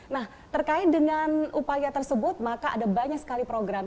nah terkait dengan upaya tersebut maka ada banyak sekali program